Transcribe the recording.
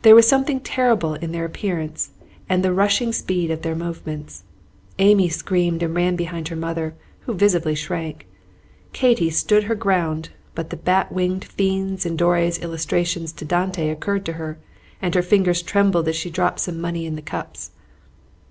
There was something terrible in their appearance and the rushing speed of their movements. Amy screamed and ran behind her mother, who visibly shrank. Katy stood her ground; but the bat winged fiends in Doré's illustrations to Dante occurred to her, and her fingers trembled as she dropped some money in the cups.